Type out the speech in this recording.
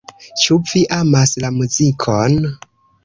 Ĉu vi amas la muzikon?